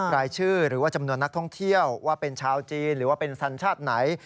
รายชื่อหรือว่าจำนวนนักท่องเที่ยวว่าเป็นชาวจีนหรือว่าเป็นสัญชาติไหน